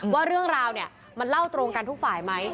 ว่าเรื่องราวเนี่ยมันเล่าตรงกันทุกฝ่ายไหม